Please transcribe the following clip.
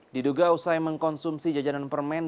diduga usai mengkonsumsi jajanan permen